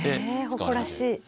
誇らしい。